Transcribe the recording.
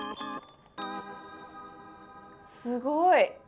すごい！